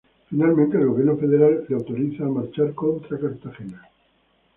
Finalmente el gobierno federal le autoriza a marchar contra Cartagena.